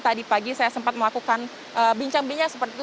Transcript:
tadi pagi saya sempat melakukan bincang bincang seperti itu